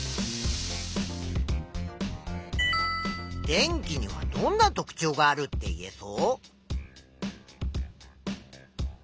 電気にはどんな特ちょうがあるって言えそう？